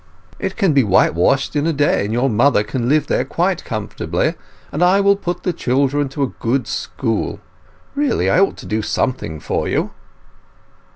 It can be whitewashed in a day, and your mother can live there quite comfortably; and I will put the children to a good school. Really I ought to do something for you!"